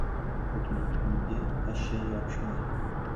• Butun tuxumga pashsha yopishmaydi.